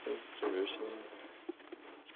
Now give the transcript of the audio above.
하면서 나를 붙들었습니다.